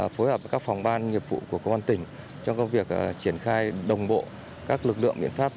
phối hợp với các phòng ban nghiệp vụ của công an tỉnh trong việc triển khai đồng bộ các lực lượng biện pháp